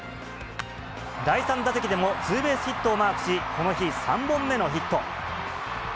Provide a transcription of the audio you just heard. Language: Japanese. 第３打席でもツーベースヒットをマークし、この日、３本目のヒット。